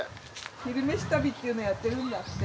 「昼めし旅」っていうのやってるんだって。